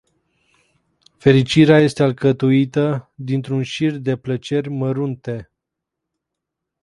Fericirea este alcătuită dintr-un șir de plăceri mărunte.